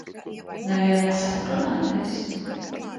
Nevēlies aprunāties?